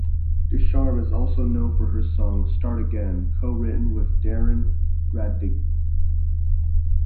Ducharme is also known for her song "Start Again," co-written with Darren Radtke.